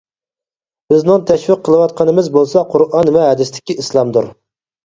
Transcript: بىزنىڭ تەشۋىق قىلىۋاتقىنىمىز بولسا قۇرئان ۋە ھەدىستىكى ئىسلامدۇر.